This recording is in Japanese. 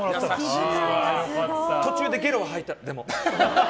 途中でゲロは吐いた、でも。